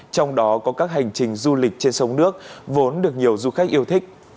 trong đó có các hành trình du lịch trên sông nước vốn được nhiều du khách yêu thích